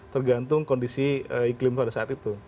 tergantung kondisi iklim pada saat itu